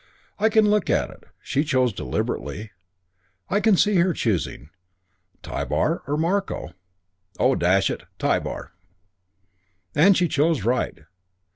I can look at it. She chose deliberately. I can see her choosing: 'Tybar or Marko? oh, dash it, Tybar.' And she chose right.